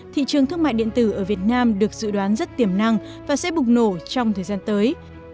thị trường thương mại điện tử ở việt nam được dự đoán rất tiềm năng và sẽ bục nổ trong thời gian tới